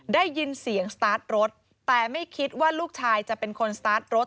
ได้ยินเสียงสตาร์ทรถแต่ไม่คิดว่าลูกชายจะเป็นคนสตาร์ทรถ